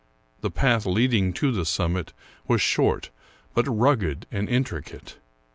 The path leading to the summit was short, but rugged and intricate.